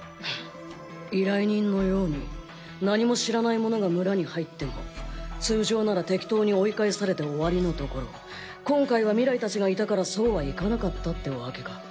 依頼人のように何も知らない者が村に入っても通常なら適当に追い返されて終わりのところ今回はミライたちがいたからそうはいかなかったってわけか。